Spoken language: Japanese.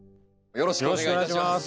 よろしくお願いします。